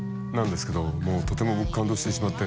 とても僕感動してしまって。